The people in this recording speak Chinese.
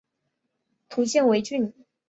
属犍为郡。